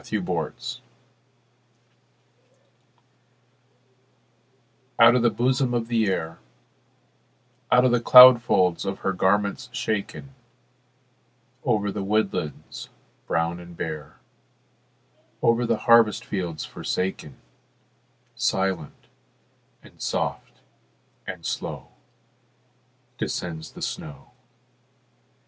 SNOW FLAKES Out of the bosom of the Air, Out of the cloud folds of her garments shaken, Over the woodlands brown and bare, Over the harvest fields forsaken, Silent, and soft, and slow Descends the snow.